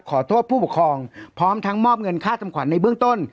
ขอโทษผู้ปกครองพร้อมทั้งมอบเงินค่าทำขวัญในเบื้องต้น